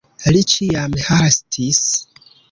Li ĉiam hastis.